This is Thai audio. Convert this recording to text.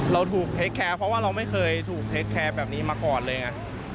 เราถูกเทคแคร์เพราะว่าเราไม่เคยถูกเทคแคร์แบบนี้มาก่อนเลยไง